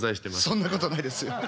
そんなことないですよ。